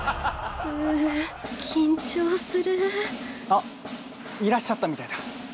◆あっ、いらっしゃったみたいだ。